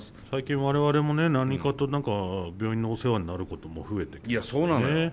最近我々もね何かと何か病院のお世話になることも増えてきましたね。